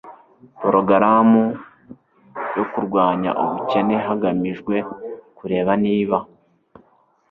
porogaramu yo kurwanya ubukene hagamijwe kureba niba